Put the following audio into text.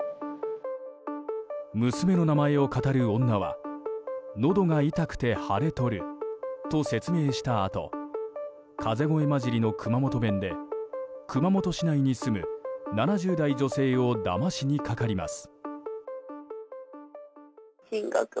娘の名前をかたる女はのどが痛くて腫れとると説明したあと風邪声混じりの熊本弁で熊本市内に住む７０代女性をだましにかかります。